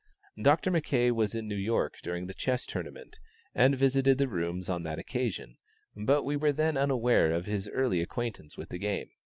Doctor Mackay was in New York during the chess tournament, and visited the rooms on that occasion, but we were then unaware of his early acquaintance with the game.